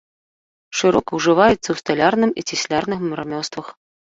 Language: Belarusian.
Шырока ўжываецца ў сталярным і цяслярным рамёствах.